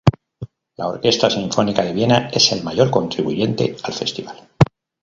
La Orquesta Sinfónica de Viena es el mayor contribuyente al festival.